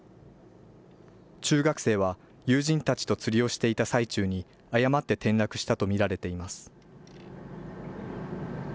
中学生は友人たちと釣りをしていた最中に誤って転落したと見られています。